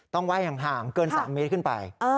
ต้องว่ายห่างเกิน๓เมตรขึ้นไป